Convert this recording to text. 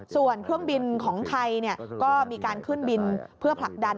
ส่วนเครื่องบินของไทยก็มีการขึ้นบินเพื่อผลักดัน